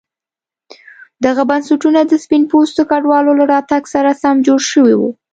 دغه بنسټونه د سپین پوستو کډوالو له راتګ سره سم جوړ شوي وو.